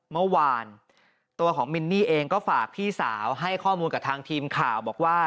เมื่อวานตัวของมินนี่เองก็ฝากพี่สาวให้ข้อมูลกับทางทีมข่าวบอกว่า